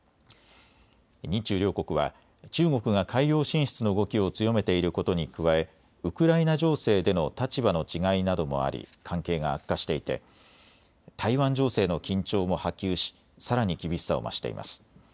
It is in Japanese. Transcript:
日中両国は中国が海洋進出の動きを強めていることに加えウクライナ情勢での立場の違いなどもあり関係が悪化していて台湾情勢の緊張も波及しさらに厳しさを増しています。